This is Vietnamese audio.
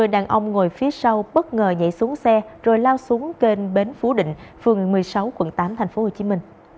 một mươi đàn ông ngồi phía sau bất ngờ nhảy xuống xe rồi lao xuống kênh bến phú định phường một mươi sáu quận tám tp hcm